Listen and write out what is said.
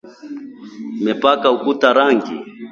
Nimepaka ukuta rangi